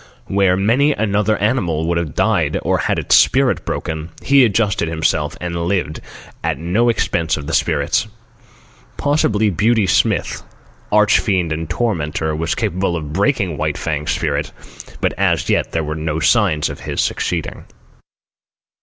Where many another animal would have died or had its spirit broken, he adjusted himself and lived, and at no expense of the spirit. Possibly Beauty Smith, arch fiend and tormentor, was capable of breaking White Fang's spirit, but as yet there were no signs of his succeeding.